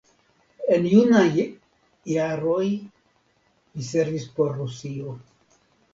En junaj jaroj li servis por Rusio.